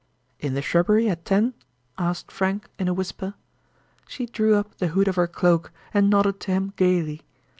"In the shrubbery at ten?" asked Frank, in a whisper. She drew up the hood of her cloak and nodded to him gayly.